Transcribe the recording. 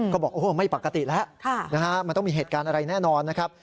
ก็บอกโอ้โหไม่ปกติแล้วมันต้องมีเหตุการณ์อะไรแน่นอนนะครับ